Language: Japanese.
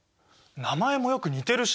名前もよく似てるし。